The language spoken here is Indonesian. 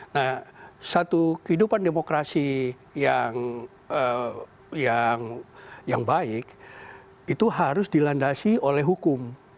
nah satu kehidupan demokrasi yang baik itu harus dilandasi oleh hukum